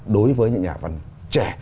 đối với những nhà văn trẻ